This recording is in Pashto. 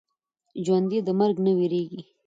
ژوندي د مرګ نه وېرېږي